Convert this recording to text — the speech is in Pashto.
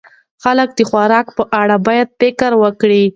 خلک د خوراک په اړه باید خپل فکر وکړي.